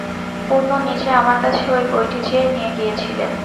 পূর্ণ নিজে আমার কাছে ঐ বইটি চেয়ে নিয়ে গিয়েছিলেন।